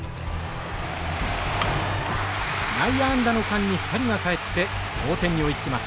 内野安打の間に２人が帰って同点に追いつきます。